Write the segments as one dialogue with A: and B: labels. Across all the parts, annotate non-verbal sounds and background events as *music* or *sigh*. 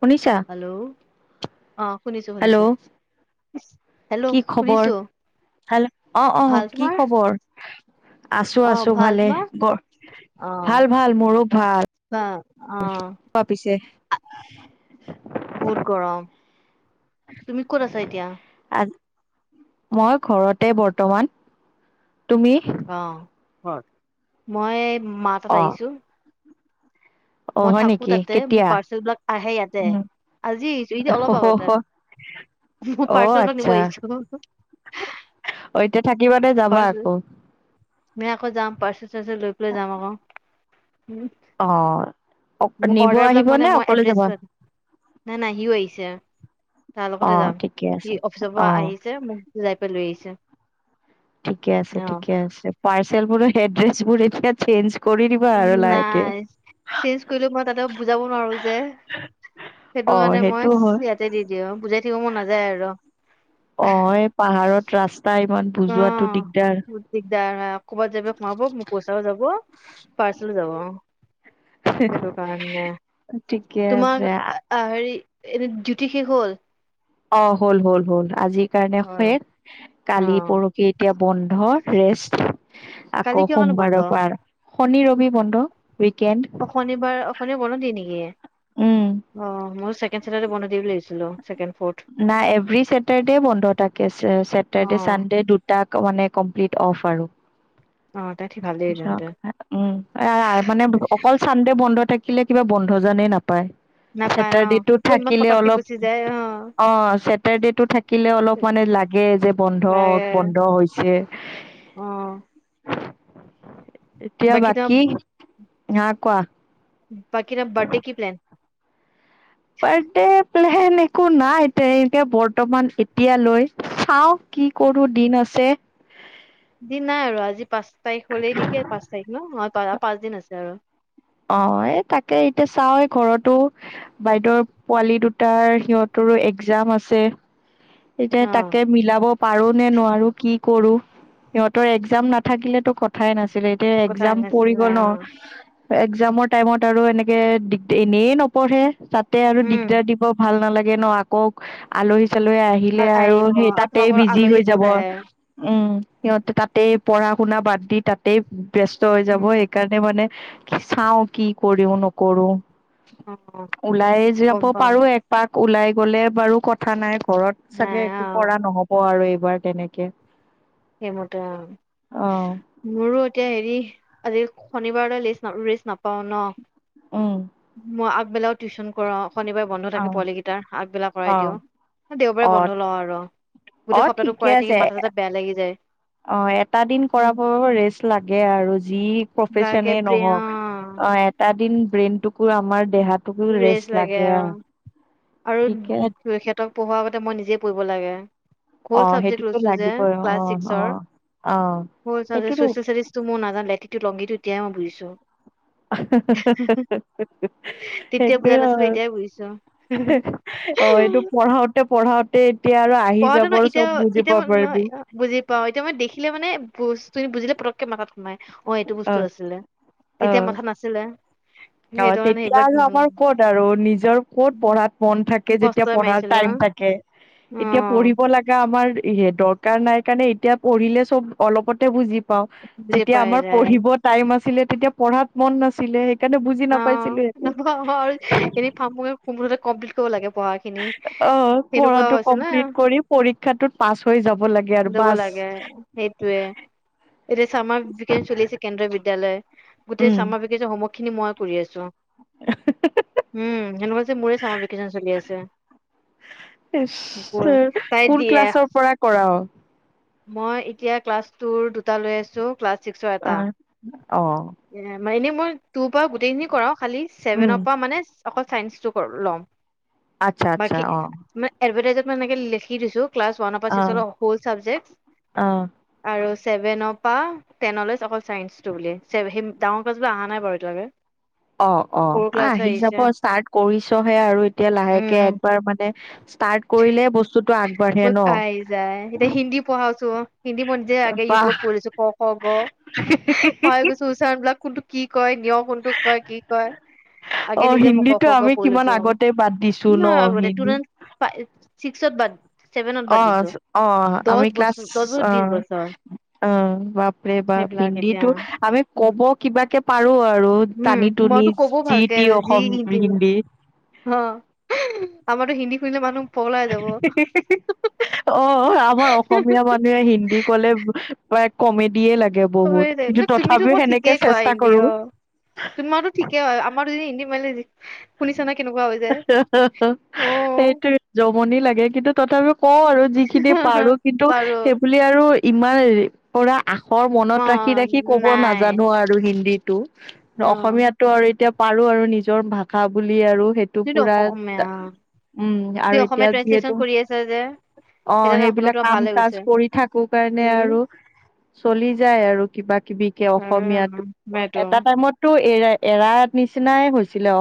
A: শুনিছা?
B: হেল্ল' অ শুনিছো
A: হেল্ল'
B: শুনিছো হেল্ল'
A: কি খবৰ?
B: শুনিছো
A: হেল্ল অ অ
B: ভাল
A: কি
B: তোমাৰ
A: খবৰ? আছো
B: অ
A: আছো
B: ভাল
A: ভালে
B: তোমাৰ
A: গৰ,
B: অ
A: ভাল ভাল মোৰো ভাল।
B: বা অ
A: বা পিছে
B: বহুত গৰম তুমি ক'ত আছা এতিয়া?
A: মই ঘৰতে বৰ্তমান তুমি
B: অ মই মা তাত
A: অ',
B: আহিছো।
A: অ',
B: মই
A: হয়
B: থাকো
A: নেকি
B: তাতে মোৰ
A: কেতিয়া?
B: পাৰ্চেলবিলাক আহে ইয়াতে,
A: উম।
B: আজি আহিছো এতিয়া অলপ আগতে। মোৰ
A: অ',
B: পাৰ্চেলবিলাক নিব
A: আচ্ছা
B: আহিছো।
A: অ', এতিয়া থাকিবা নে যাবা
B: পাৰ্চ
A: আকৌ?
B: নাই আকৌ যাম পাৰ্চেল চাৰ্চেল লৈ পেলাই যাম আকৌ। হম
A: অ অ'
B: মোৰ
A: নিব
B: অৰ্ডাৰ
A: আহিব
B: বিলাক মানে
A: নে
B: মই
A: অকলে যাবা?
B: এড্ৰেছত, নাই নাই সিও আহিছে, তাৰ লগতে
A: অ',
B: যাম।
A: ঠিকে আছে
B: সি অফিচৰ পৰা
A: অ'।
B: আহিছে মোক যাই পাই লৈ আহিছে।
A: ঠিকে আছে
B: অ
A: ঠিকে আছে। পাৰ্চেলবোৰৰ এড্ৰেচবোৰ এতিয়া চেঞ্জ কৰি দিবা আৰু লাহেকে।
B: নাই, চেঞ্জ কৰিলো মই তাতে বুজাব নোৱাৰো যে
A: অ',
B: সেইটোকাৰণে
A: সেইটো
B: মই
A: হয়
B: ইয়াতে দি দিওঁ বুজাই থাকিব মন নাযায় আৰু।
A: অ এ পাহাৰত ৰাস্তা ইমান বুজোৱাটো দিগদাৰ।
B: দ ক'ৰবাত যাই পেলাই সোমাব, মোৰ পইচাও যাব! পাৰ্চেল যাব অ। সেইটো কাৰণে।
A: ঠিকে
B: তোমাক
A: আছে।
B: আ হেৰি এনে ডিউটি শেষ হ'ল?
A: অ হ'ল হ'ল হ'ল, আজিৰ কাৰণে
B: অ
A: শেষ,
B: অ
A: কালি পৰখি এতিয়া বন্ধৰ ৰেষ্ট
B: কালি
A: আকৌ
B: কিয় কাৰণে বন্ধ
A: সোমবাৰৰ পৰা আৰু শনি ৰবি বন্ধ। উইকেণ্ড
B: অ শনিবাৰ অ শনিবাৰে বন্ধ দিয়ে নেকি?
A: উম
B: অ মইও চেক ছেকেণ্ড চাটাৰ্ডে বন্ধ দিয়ে বুলি ভাবিছিলোঁ। ছেকেণ্ড ফৰ্থ
A: নাই এভৰি ছেটাৰডে বন্ধ থাকে
B: অ
A: চেটাৰডে চানডে দুটাক মানে কমপ্লিট অফ আৰু
B: অ তাই ঠিক ভালেই
A: এচনক।
B: তেন্তে
A: আ উম মানে অকল চানদে বন্ধ থাকি থিলে কিবা বন্ধ জানে নাপায়
B: নাপায়
A: চেটাৰডে টো
B: অ ইমান
A: থাকিলে
B: পতককে
A: অলপ
B: গুচি যায়
A: অ চেটাৰডে টো থাকিলে অলপ মানে লাগে যে বন্ধ
B: লাগে
A: বন্ধ হৈছে।
B: অ
A: এতিয়া বাকী? হ কোৱা
B: উম বাকি তাৰ বাৰ্থডে কি প্লেন?
A: বাৰ্থডে প্লেন একো নাই তেনেকে বৰ্তমান এতিয়া লৈ। চাও! কি কৰো দিন আছে
B: দিন নাই আৰু আজি পাঁচ তাৰিখ হ'লেই নেকি পাঁচ তাৰিখ ন অ তই পাঁচ দিন আছে আৰু
A: অ এই তাকে এতিয়া চাও ঘৰতো বাইদেউৰ পোৱালি দুটাৰ সিহঁতৰো এক্জাম আছে। এতিয়া
B: অ
A: তাকে মিলাব পাৰো নে নোৱাৰো কি কৰো। সিহঁতৰ একজাম নাথাকিলেতো কথাই নাছিল আছিলে এতিয়া
B: কথা
A: একজাম পৰি
B: নাছিলে
A: গ'ল ন
B: অ
A: একজামৰ টাইমত আৰু এনেকে দিগদি এনেই নপঢ়ে। তাতে আৰু
B: উম
A: দিগদাৰ দিব ভাল নালাগে লাগে ন আকৌ আলহী চালহী আ আহিলে আৰু
B: আহিব
A: সেই
B: আৰু
A: তাতে
B: তোমালোকৰ
A: বিজি
B: আলহী
A: হৈ যাব
B: বহুত আহে
A: উম সিহঁতে তাতেই পঢ়া-শুনা বাদ দি তাতেই ব্যস্ত হৈ যাব
B: উম
A: সেইকাৰণে মানে চাও কি কৰিও নকৰো।
B: অ
A: ওলাই যাব
B: গম পাও
A: পাৰো একপাক ওলাই গ'লে বাৰু কথা নাই ঘৰত।
B: নাই
A: চাগে
B: অ
A: একো কৰা নহব আৰু এই হোৱাৰ তেনেকে
B: সেইমতে অ
A: অ
B: মোৰো এতিয়া হেৰি আজি শনিবাৰলৈ লেইছ ৰেইষ্ট নাপাও ন।
A: উম
B: ম আ বেলাও টিউচন কৰা। শনিবাৰে বন্ধ
A: অ
B: থাকে পোৱালিকেইটাৰ আগবেলা কৰাই
A: অ
B: দিওঁ দেওবাৰে
A: অ
B: বন্ধ লওঁ আৰু।
A: অ
B: গোটেই সপ্তাহটো
A: ঠিকে
B: কৰাই
A: আছে
B: থাকিম মাথা চাথা বেয়া লাগে। যে
A: অ এটা দিন কৰাব ৰেষ্ট লাগে আৰু যি
B: লাগে
A: প্ৰফেচনে
B: ব্ৰেইন
A: নহওক অ এটা দিন ব্ৰেইনটোক
B: ৰেচ লাগে
A: আ
B: অ আৰু
A: ঠিকে
B: সিহতক পঢ়োৱাৰ আগতে মই নিজে পৰিব লাগে।
A: অ
B: অল চাবজেক্ট
A: সেইটোতো
B: লৈছোঁ যে
A: লাগিবই
B: ক্লাছ
A: অ অ
B: ছিক্সৰ।
A: অ
B: অল চাবজেক্ট
A: সেইটোতো
B: চছিয়েল ষ্টাডিচ টো মই নাজানো লেটিটিউদ লঙ্গীটিউদ তেওঁ বুজিছোঁ।
A: আহ হা হা হা হা হা হা হা
B: তেতিয়া বুজা নাছিলো এতিয়াই বুজিছো হু হু হু হুম।
A: পঢ়াওঁতে
B: পঢ়াটো ন এতিয়া এতিয়া মই নহয়
A: পাৰিবি
B: বুজি পাওঁ এতিয়া মই দেখিলে মানে বস্তুখিনি বুজিলে পতক একে মাতাত সোমাই। অ এইটো বস্তু আছিলে
A: অ
B: তেতিয়া মাথাত নাছিলে
A: অ
B: সেইটো কাৰণে
A: তেতিয়া
B: সেইবিলাক
A: আৰু আমাৰ
B: উম
A: ক'ত আৰু নিজৰ ক'ত পঢ়াত মন থাকে যেতিয়া
B: মুখস্থই
A: পঢ়াৰ
B: মাৰিছিলো
A: টাইম থাকে।
B: অ
A: এতিয়া পঢ়িব লাগে আমাৰ ৰে দ দৰকাৰ নাই কাৰণে এতিয়া পঢ়িলে চব অলপতে বুজি প
B: বুজি
A: যেতিয়া
B: পাই
A: আমাৰ
B: যায়
A: পঢ়িব টাইম আছিলে তেতিয়া পঢ়াত মন নাছিলে সেইকাৰণে বুজি নাপাইছিলো
B: *unintelligible*
A: একো
B: কমপ্লিট কৰিব লাগে। পঢ়াখিনি
A: অ
B: সেনেকুৱা
A: পঢ়াটো
B: হৈছে
A: কমপ্লিট কৰি পৰীক্ষাটোত পাছ হৈ যাব। লাগে আৰু
B: লব
A: বাছ
B: লাগে সেইটোয়ে এতিয়া চামাৰ ভিকেচ চলি আছে কেন্দ্ৰীয় বিদ্যালয় গোটেই
A: উম
B: চামা ভিকেচন হোমৱৰ্ক খিনি মই কৰি আছো। হম্। এনেকুৱা লাগিছে মোৰে চামাৰ ভেকেচন চলি আছে।
A: ইচ
B: নকওঁ আৰু।
A: কোন
B: তাইট।
A: ক্লাছৰ
B: *unintelligible*
A: পৰা *inaudible*
B: মই এতিয়া ক্লাছ টোৰ দুটা লৈ আছো ক্লাছ ছিক্সৰ এটা
A: আহ - অহ
B: এ মানে মই তোৰ পৰা গোটেইখিনি কৰাও। খালি
A: উম
B: ছেভেনৰ পৰা মানে ছ অকল চাইন্সটো ল'ম।
A: আচ্ছা আচ্ছা
B: বাকি
A: অ
B: মানে এডভাটাইজত ম এনেকে লিখি দিছো। ক্লাছ ৱান পৰা ছিক্সৰ অ হোল চাবজেক্টচ
A: অ
B: আৰু ছ ছেভেনৰ পৰা টেনলৈ ছ অকল ছাইন্স টো বুলে সেই ডাঙৰ ক্লাছবোৰ অহা নাই বাৰু এতিয়ালৈকে।
A: অ ', অ
B: সৰু
A: ',
B: ক্লাছ
A: আহি
B: আহিছে
A: যাব ষ্টাৰ্ট কৰিছহে আৰু এতিয়া লাহেকে
B: উম
A: একবাৰ মানে ষ্টাৰ্ট কৰিলে বস্তুটো আগবাঢ়ে
B: উম
A: ন।
B: আহি যায় এতিয়া হিন্দী পঢ়াওছো। হিন্দী মই নিজে আগে
A: বাহ
B: ইউটিউবত পঢ়ি আছো। ক - খ - গ পঢ়াই গৈছো উচ্চাৰণবিলাক। কোনটো কি কয় নিয় কোনটোক কয়, কি কয়।
A: অ
B: আগে নিজে মই ক
A: হিন্দীটো
B: খ গ
A: আমি
B: পঢ়ি
A: কিমান
B: লৈছো
A: আগতে বাদ দিছো ন
B: কিমান আগতে তুৰ
A: হিন্দী
B: চিক্সত বাদ ছেভেনত
A: অ
B: বাদ দিছো।
A: অ
B: দহ
A: 'আমি ক্লাছ
B: বছৰ দহ বছৰ
A: অ
B: বিশ বছৰ
A: -অ - বাপৰে বাপ
B: সেইবিলাক এতিয়া
A: হিন্দীটো আমি কব কিবাকে পাৰো আৰু
B: উম।
A: টানি টুনি
B: মইতো কবও
A: যি
B: ভালকে
A: টি
B: যি
A: অসম
B: হিন্দী মোৰ। অহ, আমাৰতো হিন্দী *unintelligible* মানু *unintelligible*
A: হে-হে অ' আপ আমাৰ ৰ অসমীয়া মানুহে হিন্দী কলে তাইক কমেডিয়ে লাগে
B: সবে
A: বহুত
B: জা ন
A: কিন্তু
B: তুমিতো
A: তথাপিও
B: বহুত
A: সেনেকে
B: ঠিকেই কোৱা
A: চেষ্টা
B: হিন্দী
A: কৰো
B: অ। তোমাৰতো ঠিকেই হয় আমাৰতো যে হিন্দী মাৰিলে যি
A: হা
B: শুনিছা না কেনেকুৱা হৈ যায়
A: - হা - হা
B: অ
A: এইটো জমনি লাগে কিন্তু তথাপি কওঁ আৰু যিখিনি পাৰো, কিন্তু
B: পাৰো
A: সেই বুলি আৰু ইমান ৰি পৰা আখৰ
B: অ
A: মনত ৰাখি -ৰাখি ক'ব
B: নাই
A: নাজানো আৰু হিন্দীত। টো
B: অ
A: অসমীয়াটো আৰু এতিয়া পাৰো আৰু নিজৰ ভাগ খাঁ বুলিয়ে আৰু সেইটো
B: তুমিতো
A: পুৰা
B: অসমীয়া
A: উম। আৰু
B: তুমি
A: এতিয়া
B: অসমীয়া
A: যিহেতু
B: ট্ৰেঞ্চলেচন কৰি আছা যে
A: অ'
B: সেইকাৰণে অসমীয়া
A: সেইবিলাক
B: তোমাৰ
A: কাম
B: ভাল হৈ
A: কাজ
B: গৈছে
A: কৰি থাকো কাৰণে
B: উম
A: আৰু চলি যায় আৰু কিবা কিবি কে
B: উম
A: অসমীয়াত।
B: অসমীয়াটো
A: এটা টাইমতো এৰাই এৰা ত নিচিনাই হৈছিলে অ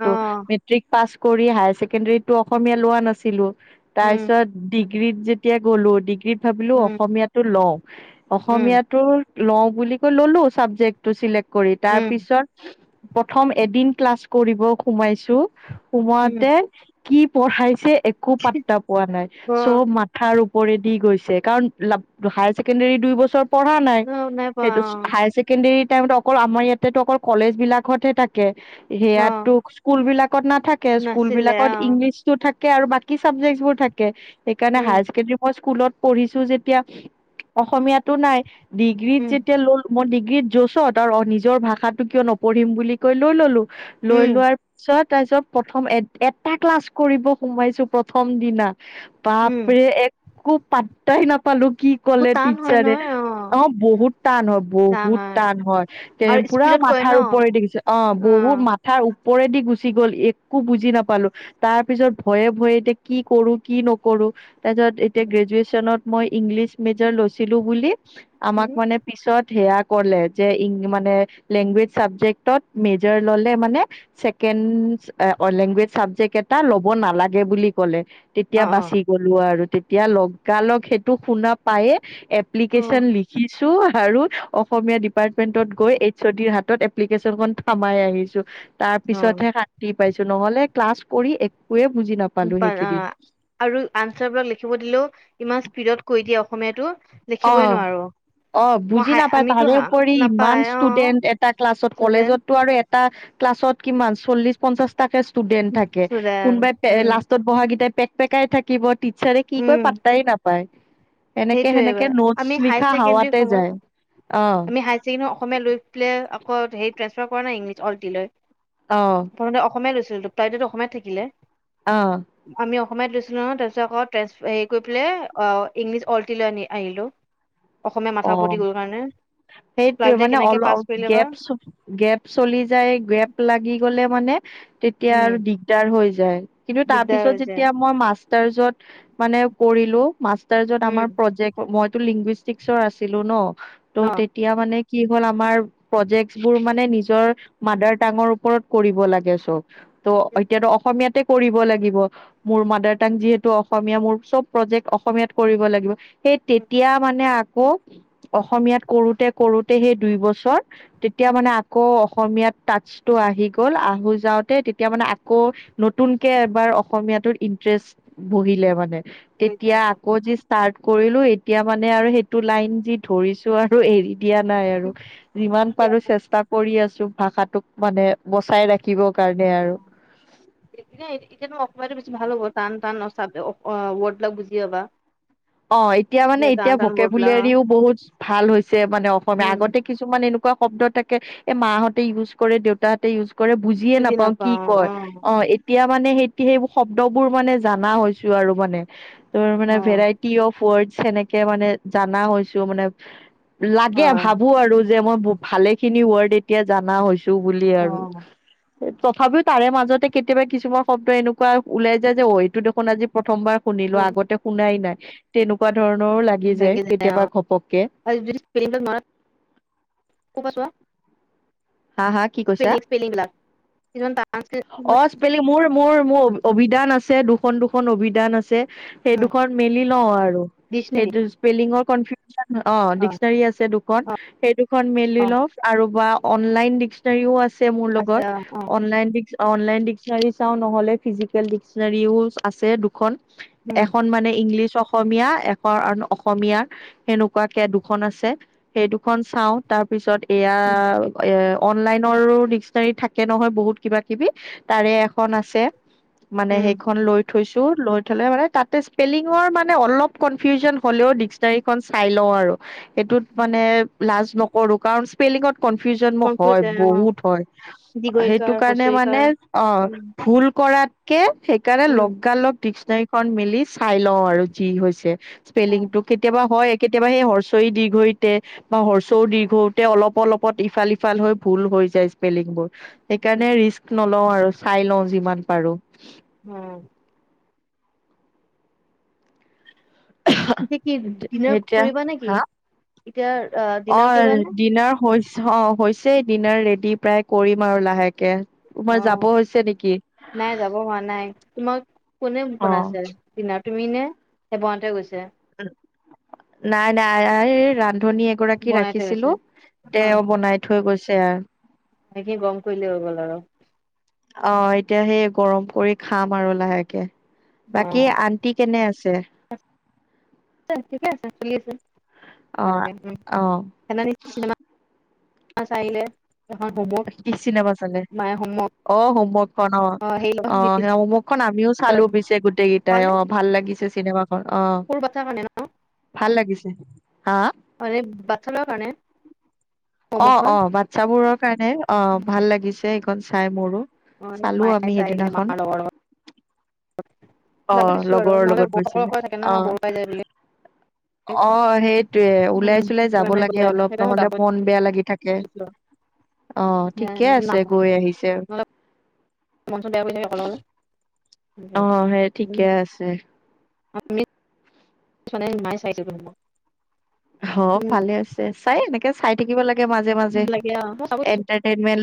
B: অ
A: মেট্ৰিক পাছ কৰি হায়াৰ ছেকেণ্ডাৰীটো অসমীয়া লোৱা নাছিলোঁ।
B: উম
A: তাৰপিছত ডি গ্ৰীড যেতিয়া গ'লো ডিগ্ৰীত ভাবিলোঁ
B: উম
A: অসমীয়াটো লওঁ।
B: উম
A: অসমীয়াটোৰ লওঁ বুলি কৈ ল'লো চাবজেক্টটো চিলেক্ট কৰি তাৰ
B: উম
A: পিছত প্ৰথম এদিন ক্লাছ কৰিব সোমাইছোঁ।
B: উম
A: সোমাওঁতে কি পঢ়াইছে একো পাত্তা পোৱা নাই।
B: অ
A: চব মাথাৰ পৰি দি গৈছে। কাৰণ ল-হায়াৰ ছেকেণ্ডাৰী দুই বছৰ পঢ়া নাই।
B: অ পোৱা
A: সেইটো
B: অ
A: হায়াৰ ছেকেণ্ডৰীত তেওঁ তো অকল আমাৰ ইয়াতেটো অকল কলেজ বিলাকতহে থাকে।
B: অ
A: সেয়াটো স্কুলবিলাকত নাথাকে।
B: নাছিলে
A: স্কুলবিলাকত
B: অ
A: ইংলিছটো থাক থাকে আৰু বাকী চাবজেক্টছবোৰ থাকে। সেইকাৰণে
B: উম
A: হায়াৰ ছেকেণ্ডাৰী মই স্কুলত পঢ়িছোঁ যেতিয়া অসমীয়াটো নাই। ডিগ্ৰীত
B: উম
A: যেতিয়া ললোঁ মই গীত যোচত আৰু অ-নিজৰ ভাষাটো কিয় নপঢ়িম বুলি কৈ লৈ ললোঁ। লৈ
B: উম
A: লোৱাৰ পিছত তাৰ পিছত প্ৰথম এ-এটা ক্লাছ কৰিব সোমাইছোঁ প্ৰথম দিনা।
B: উম
A: বাপৰে এক কো পাট্টাই নাপ পালোঁ কি
B: বহুত
A: ক'লে
B: টান হয়
A: টিচ্চাৰে।
B: নহয়
A: অ' বহুত টান হয়, বহুত টান হয়।
B: আৰু
A: পূৰা
B: স্পীডত কয়
A: মাথাৰ
B: ন
A: ওপৰেদি গৈছে। অ' বহুত মাথাৰ ওপৰেদি গুচি গ'ল। এক কো বুজি নাপালোঁ। তাৰ পিছত ভয়ে ভয়ে এতিয়া কি কৰোঁ কি নকৰোঁ তাৰপিছত এতিয়া গ্ৰেজুৱেশনত মই ইংলিছ মেজাৰ লৈছিলোঁ বুলি আমাক
B: উম
A: মানে পিছত সেয়া ক'লে যে ইং মানে লেংগুৱেজ চাবজেক্টত মেজৰ ললে মানে চেকেন অ' লেংগুৱেজ চাবজেক্ট এটা ল'ব নালাগে বুলি ক'লে।
B: অ
A: তেতিয়া
B: অ
A: বাচি গলোঁ আৰু। তেতিয়া লগালগ সেইটো শুনা পায়েই
B: অ
A: এপ্লিকেশন লিখি তো আৰু অসমীয়া ডিপাৰ্টমেন্টত গৈ এইচ অ ডিৰ হাতত এপ্লিকেশচনখন থমাই এৰিছোঁ তাৰ
B: অ
A: পিছতহে শান্তি পাইছোঁ। নহ'লে ক্লাছ কৰি এক
B: পাৰা আৰু আনচাৰবিলাক লিখিব দিলেও ইমান স্পীডত কৈ দিয়ে অসমীয়াটো। লিখিবই
A: অ'-
B: নোৱাৰো
A: অ'
B: মই
A: বুজি
B: হাই
A: নাপায়।
B: আমিতো
A: তাৰে
B: হা
A: উপৰি ইমান
B: নাপায় অ
A: ষ্টুডেন্ট এটা ক্লাছত
B: ষ্টুডেন্ট
A: কলেজতটো আৰু এটা ক্লাছত কিমান? চল্লিশ-পঞ্চাশটাকে ষ্টুডেন্ট থাকে।
B: ষ্টুডেন্ট
A: কোনবাই পে
B: উম
A: লাষ্টত বহা কেইটাই পেক পেকাই থাকিব। টিচাৰে কি কয়
B: উম
A: পাতাই নাপায়। এনেকে
B: সেইটোয়ে
A: সেনেক
B: আমি হাইছেকেনদ্ৰি সময়ত
A: অ',
B: আমি হাইছেকেনদ্ৰিত অসমীয়া লৈছিলে কত হেৰি ট্ৰেঞ্চফাৰ কৰা নাই ইংলিছ অলটি লৈ
A: অ',
B: প্ৰথমতে অসমীয়া লৈছোঁ। *unintelligible* তাইটেলটো অসমীয়াত থাকিলে।
A: অ'।
B: আমি অসমীয়াত লৈছিলোঁ নহয়। তাৰপিছত আক' ট্ৰেঞ্চফ হেৰি কৰি পেলাই অ' ইংলিছ অলটিলৈ নি আহিলোঁ। অসমীয়া মাথা
A: অ'
B: উপুতি গ'ল কাৰণে
A: সেইটোৱে
B: ল'ৰাকেইটাই
A: মানে
B: কেনেকে পাছ
A: অলপ
B: কৰিলে বা
A: গেপ চ - গেপ চলি যায় গেপ লাগি গ'লে মানে তেতিয়া
B: উম
A: আৰু দিগদাৰ হৈ যায়। কিন্তু তাৰ
B: দিগদাৰ
A: পিছত
B: হৈ যায়
A: যেতিয়া মই মাছ তাৰ পিছত মানে কৰিলোঁ মাছ তাৰ পিছত আমাৰ
B: উম
A: প্ৰজেক্ট সময়ত টু লিংগোইষ্টিক *inaudible* চৰ আছিলোঁ ন। ত'
B: অ
A: তেতিয়া মানে কি হ'ল আমাৰ প্ৰজেক্টচবোৰ মানে নিজৰ মাডাৰটাঙৰ ওপৰত কৰিব লাগে চব, ত' এতিয়াতো অসমীয়াতে কৰিব লাগিব, মোৰ মাডাৰটাঙ যিহেতু অসমীয়া মোৰ চব প্ৰজেক্ট অসমীয়াত কৰিব লাগিব। সেই
B: উম,
A: তেতিয়া মানে আকৌ অসমীয়াত কৰোঁতে কৰোঁতে সেই দুই বছৰ, তেতিয়া মানে আকৌ অসমীয়াত টাচ্চটো আহি গ'ল আহো যাওঁতে তেতিয়া মানে আকৌ নতুনকে এবাৰ অসমীয়াটোত ইণ্টাৰেষ্ট বহিলে মানে।
B: হৈ
A: তেতিয়া
B: যায় অ।
A: আকৌ যি ষ্টাৰ্ট কৰিলো এতিয়া মানে আৰু সেই টো লাইন যি ধৰিছো আৰু এৰি দিয়া নাই আৰু যিমান
B: এতিয়া
A: পাৰো চেষ্টা কৰি আছো। ভাষাটোক মানে বচাই ৰাখিব
B: অ এতিয়া এতিয়াতো অকতটো বেছি ভাল হ'ব *unintelligible* টান টান ৱৰ্ডবিলাক বুজি পাবা *unintelligible*
A: অ ', এতিয়া মানে
B: টান
A: এতিয়া
B: টান ৱৰ্ড বিলাক অ,
A: ভকেবুলেৰিও বহুত ভাল হৈছে মানে অসমীয়া
B: উম
A: আগতে কিছুমান এনেকুৱা এনেকুৱা শব্দ থাকে এ মাহঁতে ইউজ কৰে দেউতাহঁতে ইউজ কৰে বুজিয়ে
B: বুজি
A: নাপাও কি
B: নাপাওঁ
A: কয় অ এতিয়া। মানে সেইটি সেইবোৰ শব্দবোৰ মানে জানা হৈছো আৰু মানে। তাৰ মান
B: অ
A: ভেৰাইটী সব ৱৰ্ডচ হেনেকে মানে জানা হৈছো মানে লাগে
B: হয়
A: ভাবো আৰু যে মই ভালেখিনি ৱৰ্ড এতিয়া জানা হৈছোঁ। টো বুলি
B: অ
A: আৰু তথাপিও তাৰে মাজতে কেতিয়াবা কিছুমান শব্দ এনেকুৱা ওলাই যায় যে অ', এইটো দেখোন আজি প্ৰথম প্ৰথমবাৰ
B: অ
A: শুনিলো আগতে শুনাই নাই। তেনেকুৱা ধৰণৰো লাগি যায় কেতিয়াবা ঘপককে।
B: আৰু যদি স্পেলিং বিলাক নোৱাৰা
A: হা হা কি কৈছা
B: স্পেলি স্পেলিং ল, কিছুমান টান *unintelligible*
A: অ',
B: কিছুমান
A: স্পেলিং মোৰ - মোৰ মোৰ অবিধান আছে দুখন দুখন অভিধান আছে। সেইদুখন মেলি লওঁ আৰু সেইটো স্পেলিঙৰ কনফি *inaudible* অ ডিক্সনেৰী আছে দুখন, সেই দুখন মেলি লও আৰু বা অনলাইন ডিক্সনেৰীও আছে আছে মোৰ লগত অনলাইন *unintelligible* অনলাইন ডিক্সনাৰী চাওঁ নহ'লে ফিজিকেল ডিক্সনাৰীও আছে দুখন। এখন মানে ইংলিছ অসমীয়া এখন আৰু অসমীয়াৰ সেনুকুৱাকে দুখন আছে। সেই দুখন চাওঁ তাৰপিছত এয়া এ অনলাইনৰো ডিক্সনাৰী থাকে নহয় বহুত কিবা কিবি তাৰে এখন আছে মানে সেইখন লৈ থৈছোঁ। লৈ থ'লে মানে তাতে স্পেলিঙৰ মানে অলপ কনফিউজন হ'লেও ডিক্সনাৰীখন চাই লওঁ আৰু। এইটোত মানে লাজ নকৰোঁ কাৰণ স্পেলিঙত কনফিউজন মোৰ হয়। বহুত হয়। সেইটো কাৰণে নে মানে অ' ভুল কৰাত কে সেইকাৰণে লগা-লগ ডিক্স নাৰীখন মিলি চাই লওঁ আৰু যি হৈছে। স্পেলিঙটো কেতিয়াবা হয় কেতিয়াবা সেই হৰ্স্ব ই দীৰ্ঘ ইতে বা হৰ্স্ব উ দীৰ্ঘ ঊ তে অলপ-অলপত ইফাল-সিফাল হৈ ভূল হৈ যায় স্পেলিঙবোৰ। সেইকাৰণে নলওঁ আৰু চাই লওঁ যিমান পাৰোঁ।
B: *inaudible* এতিয়া কি ডিনাৰ
A: এতিয়া
B: কৰিবা নেকি?
A: হা
B: এতিয়া
A: অ
B: আ-ডিনাৰ কৰিবা নে?
A: ডিনাৰ হৈছে অ' হৈছে ডিনাৰ ৰেডি প্ৰায় কৰিম আৰু লাহেকে। তোমাৰ
B: অ'
A: যাব হৈছে নেকি
B: নাই যাব হোৱা নাই, তোমাক কোনে
A: অ
B: বনাইছে ডিনাৰ তুমি নে? নে বৌহঁতে গৈছে?
A: নাই নাই *unintelligible* ৰান ন্ধনী এগৰাকী
B: বনাই থৈ গৈছে
A: ৰাখিছিলোঁ। তেওঁ বনাই থৈ গৈছে। *unintelligible*
B: বাকী গম কৰিলে হৈ গ'ল আৰু।
A: অ' এতিয়া সেই গৰম কৰি খাম আৰু লাহেকে।
B: অ
A: বাকী আন্তি কেনে আছে? ছে
B: আছে। ঠিকে আছে। চলি আছোঁ।
A: অ
B: ভাল কে। উম
A: অ
B: *unintelligible* চিনেমা বাছ আহিলে। এখন হোমৱৰ্ক
A: কি চিনেমা চালে?
B: মায়ে হোমৱৰ্ক
A: অ' হোমৱৰ্কখন অ' - অ' সেই হোমৱৰ্কখন আমিও চালোঁ পিছে গোটেই কেইটাই।
B: ভালনে
A: অ' ভাল লাগিছে কেনেকুৱা অ
B: সৰু বাচ্ছাৰ কাৰণে
A: ভাল লাগিছে হা
B: আৰে বাতছাঁ লৰা কাৰণে
A: অ
B: হোমৱৰ্কখন
A: অ বাচ্ছাবোৰৰ কাৰণে অ ভাল লাগিছে *unintelligible* চাই মোৰো।
B: অ
A: চালো
B: মাই
A: আমি
B: চাই দিলে
A: সেইদিনাখন
B: মাৰ লগৰ লগত।
A: অ,
B: যাব দিছো আৰু
A: লগৰৰ
B: নহ'লে
A: লগত
B: বৌ অকলে
A: গৈছিলে।
B: অকলে থাকে
A: অ।
B: ন বৰ পাই যায় বুলি
A: অ, সেইটোৱে
B: উম
A: ওলাই-চোলাই
B: সেইটো
A: যাব
B: কাৰণে
A: লাগে
B: কলে
A: অলপ,
B: সেইকাৰণে মই
A: নহ'লে
B: যাব
A: মন বেয়া লাগি থাকে।
B: দিছিলো
A: অ, ঠিকে আছে
B: নাম
A: গৈ আহিছে।
B: মন-চন বেয়া কৰিছে
A: অ
B: *unintelligible* অকলে অকলে।
A: সেই ঠিকে আছে
B: আমি মই চোৱা নাই। মায়ে চাইছে এইটো ৰুমত।
A: অ ভালে আছে চাই এনেকে চাই থাকিব লাগে মাজে-মাজে।
B: লাগে মই চাব দিছো
A: এণ্টাৰটেইনমেণ্ট